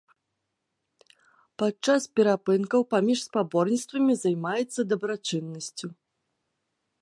Падчас перапынкаў паміж спаборніцтвамі займаецца дабрачыннасцю.